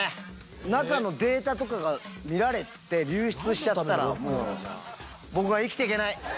中のデータとかが見られて、流出しちゃったら、僕は生きてけない。